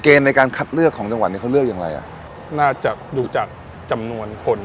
ในการคัดเลือกของจังหวัดนี้เขาเลือกอย่างไรอ่ะน่าจะดูจากจำนวนคน